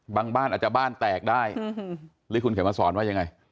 บ้านอาจจะบ้านแตกได้หรือคุณเขียนมาสอนว่ายังไง